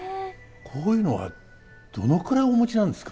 こういうのはどのくらいお持ちなんですか？